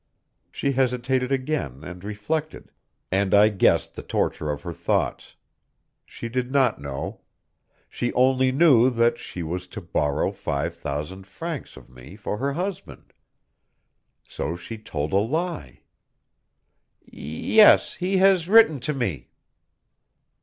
She hesitated again and reflected, and I guessed the torture of her thoughts. She did not know. She only knew that she was to borrow five thousand francs of me for her husband. So she told a lie. "Yes, he has written to me."